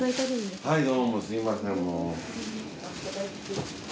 はいどうもすみません。